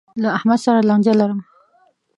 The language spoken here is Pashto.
له احمد سره لانجه لرم.